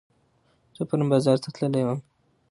زه پرون بازار ته تللي وم